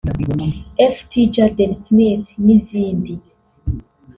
ft Jaden Smith n’izindi